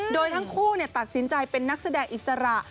โดยทั้งคู่ตัดสินใจเป็นนักแสดงอิสระ